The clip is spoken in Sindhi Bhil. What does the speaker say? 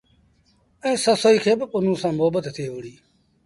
ائيٚݩ سسئيٚ کي با پنهون سآݩ مهبت ٿئي وُهڙي۔